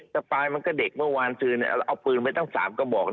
สปายมันก็เด็กเมื่อวานซืนเอาปืนไปตั้ง๓กระบอก